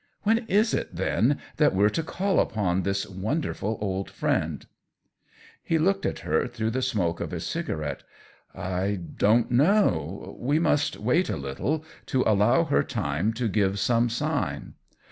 " When is it, then, that we're to call upon this wonderful old friend .'*" He looked at her through the smoke of his cigarette. " I don't know. We must wait a little, to allow her time to give some sign."